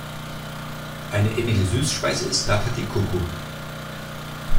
Eine ähnliche Süßspeise ist Nata de coco.